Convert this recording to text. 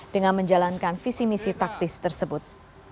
dengan menjalankan visi misi taktis tersebut